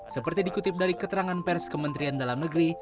seperti dikutip dari keterangan pers kementerian dalam negeri